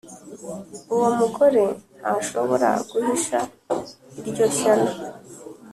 Uwomugore ntashobora guhisha iryo shyano.